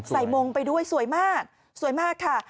มงไปด้วยสวยมากสวยมากค่ะ